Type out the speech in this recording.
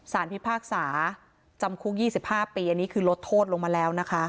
ศาลพิพากษาจำคุคยี่สิบห้าปีอันนี้คือลดโทษลงมาแล้วนะคะ